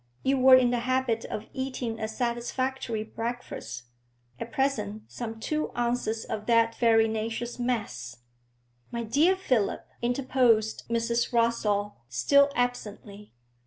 You were in the habit of eating a satisfactory breakfast; at present some two ounces of that farinaceous mess ' 'My dear Philip!' interposed Mrs. Rossall, still absently.